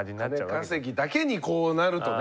金稼ぎだけにこうなるとね。